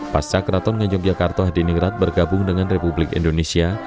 pasca keraton ngayogyakarto di ningrat bergabung dengan republik indonesia